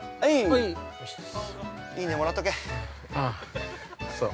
いいね、もらっとけ。